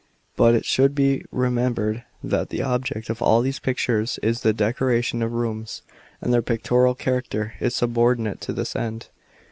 But it should be remem bered that the object of all these pictures is the decoration of rooms, and their pictorial character is subordinate to this end.